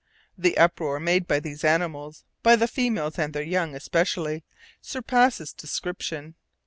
The uproar made by these animals, by the females and their young especially, surpasses description.